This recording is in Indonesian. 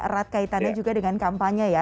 erat kaitannya juga dengan kampanye ya